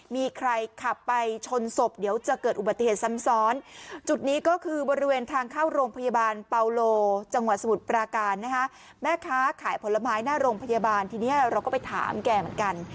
มีใครขับไปชนศพเดี๋ยวจะเกิดอุบัติเหตุซ้ำซ้อนจุดนี้ก็คือบริเวณทางเข้าโรงพยาบาลเปาโลจังหวัดสมุทรปราการนะคะแม่ค้าขายผลไม้หน้าโรงพยาบาลทีนี้เราก็ไปถามแกเหมือนกัน